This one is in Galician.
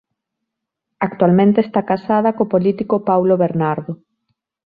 Actualmente esta casada co político Paulo Bernardo.